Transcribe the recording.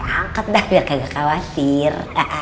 angkat dah biar kagak khawatir